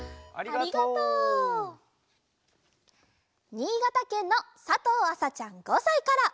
にいがたけんのさとうあさちゃん５さいから。